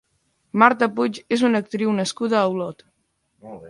Marta Puig és una actriu nascuda a Olot.